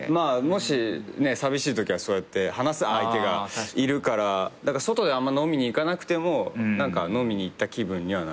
もし寂しいときはそうやって話す相手がいるから外であんま飲みに行かなくても飲みに行った気分にはなれるから。